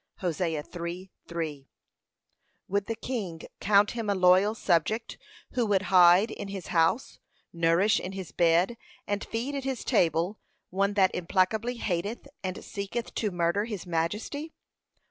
(Hosea 3:3) Would the king count him a loyal subject who would hide in his house, nourish in his bed, and feed at his table, one that implacably hateth and seeketh to murder his majesty?